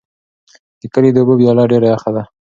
د کلي د اوبو ویاله ډېره یخه ده.